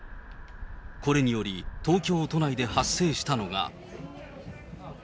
これにより、東京都内で発生したのが。